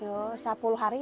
berapa ini empat puluh